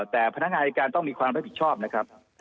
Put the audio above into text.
แต่พนักงานอายการต้องมีความรับผิดชอบนะครับ